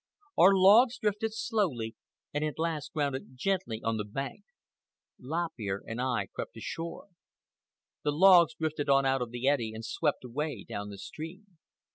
Our logs drifted slowly and at last grounded gently on the bank. Lop Ear and I crept ashore. The logs drifted on out of the eddy and swept away down the stream.